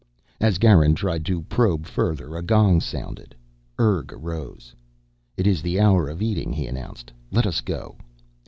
As Garin tried to probe further a gong sounded. Urg arose. "It is the hour of eating," he announced. "Let us go."